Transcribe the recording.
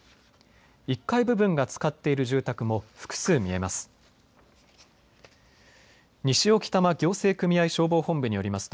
１階部分がつかっている住宅も複数見えます。